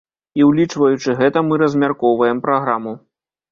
І ўлічваючы гэта мы размяркоўваем праграму.